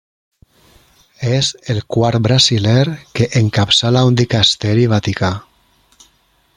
És el quart brasiler que encapçala un dicasteri vaticà.